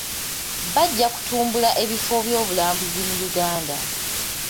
Bajja kutumbula ebifo byobulambuzi mu Uganda.